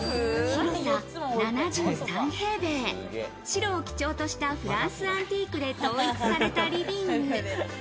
広さ７３平米、白を基調としたフランスアンティークで統一されたリビング。